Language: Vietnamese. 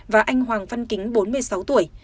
và anh hoàng văn kính bốn mươi sáu tuổi